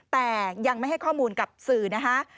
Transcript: แต่ยังไม่ให้ข้อมูลกับสื่อนะคะ